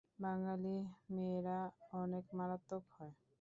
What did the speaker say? বাঙালি মেয়েরা অনেক মারাত্মক হয়!